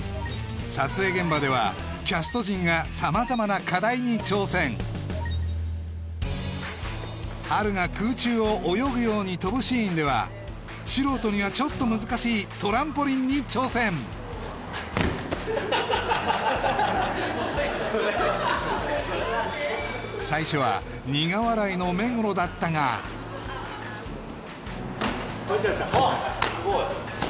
撮影現場ではキャスト陣が様々な課題に挑戦ハルが空中を泳ぐように跳ぶシーンでは素人にはちょっと難しい最初は苦笑いの目黒だったがあっすごい